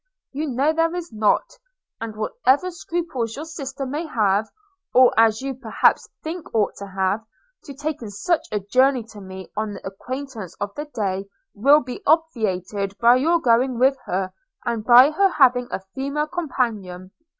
You know there is not; and whatever scruples your sister may have, or as you perhaps think ought to have, to taking such a journey to me on the acquaintance of the day, will be obviated by your going with her, and by her having a female companion.